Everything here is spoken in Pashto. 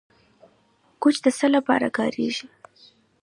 ګچ د څه لپاره کاریږي؟